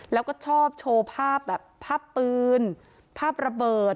แล้วก็ชอบโชว์ภาพแบบภาพปืนภาพระเบิด